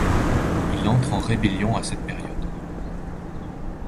Il entre en rébellion à cette période.